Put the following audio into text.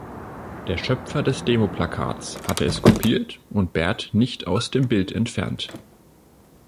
Der Schöpfer des Demo-Plakats hatte es kopiert und Bert nicht aus dem Bild entfernt.